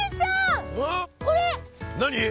何？